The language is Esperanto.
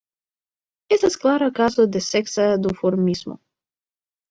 Estas klara kazo de seksa duformismo.